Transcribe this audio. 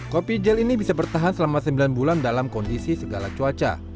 kopi gel ini bisa bertahan selama sembilan bulan dalam kondisi segala cuaca